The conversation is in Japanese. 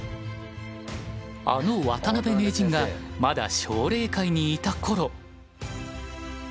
あの渡辺名人がまだ奨励会にいた頃。